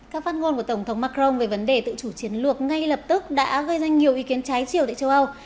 các phát ngôn của tổng thống macron về vấn đề tự chủ chiến lược ngay lập tức đã gây ra nhiều ý kiến trái chiều tại châu âu